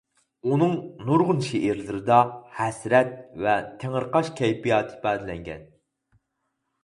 ئۇنىڭ نۇرغۇن شېئىرلىرىدا ھەسرەت ۋە تېڭىرقاش كەيپىياتى ئىپادىلەنگەن.